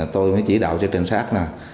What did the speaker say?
tôi mới chỉ đạo cho trinh sát nè